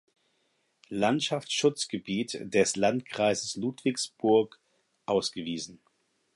Landschaftsschutzgebiet des Landkreises Ludwigsburg ausgewiesen.